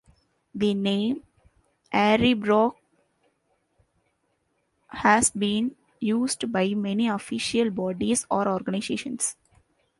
The name Aireborough has been used by many official bodies or organisations.